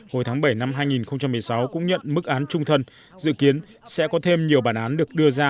hồi tháng bảy năm hai nghìn một mươi sáu cũng nhận mức án trung thân dự kiến sẽ có thêm nhiều bản án được đưa ra